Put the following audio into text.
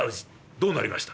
どうなりました？」。